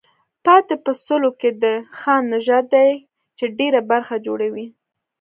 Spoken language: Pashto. پاتې په سلو کې د خان نژاد دی چې ډېره برخه جوړوي.